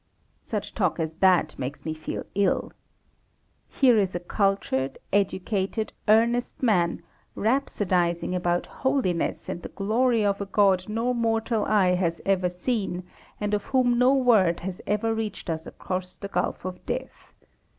Such talk as that makes me feel ill. Here is a cultured, educated, earnest man rhapsodising about holiness and the glory of a God no mortal eye has ever seen, and of whom no word has ever reached us across the gulf of death.